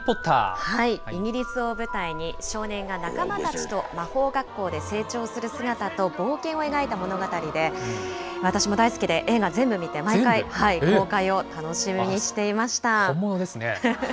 イギリスを舞台に、少年が仲間たちと魔法学校で成長する姿と冒険を描いた物語で、私も大好きで、映画、全部見て、毎回、本物ですね。